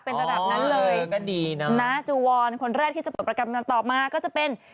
เป็นระดับนั้นเลยก็ดีนะน้าจูวรคนแรกที่จะเปิดประกันต่อมาก็จะเป็น